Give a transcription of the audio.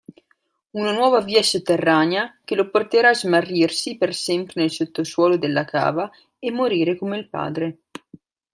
Una nuova via sotterranea che lo porterà a smarrirsi per sempre nel sottosuolo della cava e morire come il padre.